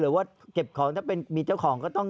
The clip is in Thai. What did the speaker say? หรือว่าเก็บของถ้าเป็นมีเจ้าของก็ต้อง